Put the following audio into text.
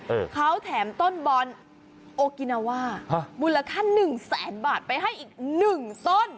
เออเขาแถมต้นบอลโอกินาว่าฮะมูลค่าหนึ่งแสนบาทไปให้อีกหนึ่งต้น